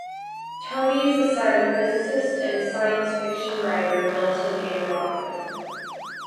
Tony is the son of physicist and science fiction writer Milton A. Rothman.